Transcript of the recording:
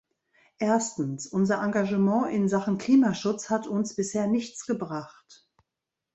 Erstens, unser Engagement in Sachen Klimaschutz hat uns bisher nichts gebracht.